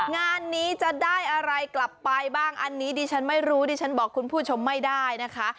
งานนี้จะได้อะไรกลับไปบ้างอันนี้ดิฉันไม่รู้ดิฉันบอกคุณผู้ชมไม่ได้นะคะ